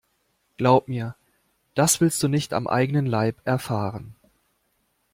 Glaub mir, das willst du nicht am eigenen Leib erfahren.